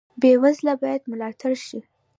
بې وزله باید ملاتړ شي